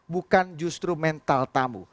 bukan justru mental tamu